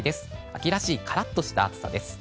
秋らしいからっとした暑さです。